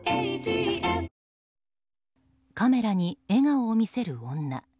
カメラに笑顔を見せる女。